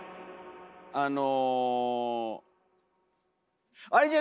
あの。